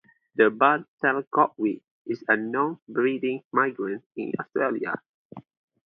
The bar-tailed godwit is a non-breeding migrant in Australia.